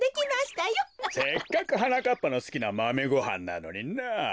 せっかくはなかっぱのすきなマメごはんなのになあ。